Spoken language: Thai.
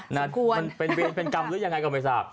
มันเป็นกรรมหรือยังไงก็ไม่ทราบ